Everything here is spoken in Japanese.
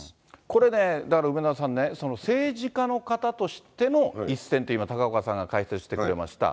これね、だから梅沢さんね、政治家の方としての一線って、今、高岡さんが解説してくれました。